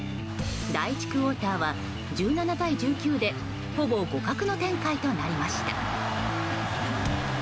第１クオーターは１７対１９でほぼ互角の展開となりました。